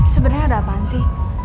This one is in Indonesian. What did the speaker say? sebenernya ada apaan sih